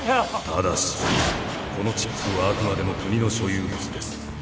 ただしこのチップはあくまでも国の所有物です。